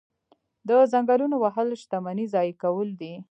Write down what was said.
د ځنګلونو وهل شتمني ضایع کول دي.